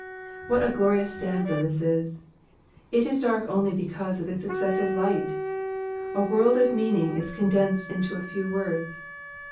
What a glorious stanza this is ! It is dark only l>ecauj»e of its excessive light. A world of meaning is condensed into a few words.